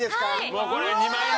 もうこれ２枚ね！